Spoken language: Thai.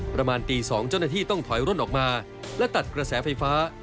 ประมาณตี๒เจ้าหน้าที่ต้องถอยร่นออกมาและตัดกระแสไฟฟ้า